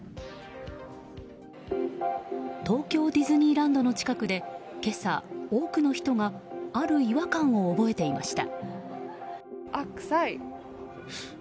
東京ディズニーランドの近くで今朝、多くの人がある違和感を覚えていました。